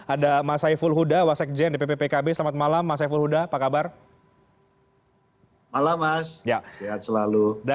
ada mas haiful huda